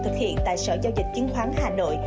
thực hiện tại sở giao dịch chứng khoán hà nội